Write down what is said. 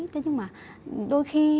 thế nhưng mà đôi khi